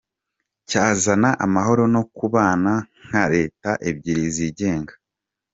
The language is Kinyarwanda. cyazana amahoro no kubana nka leta ebyiri zigenga".